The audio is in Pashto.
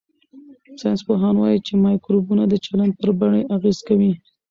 ساینسپوهان وايي چې مایکروبونه د چلند پر بڼې اغېز کوي.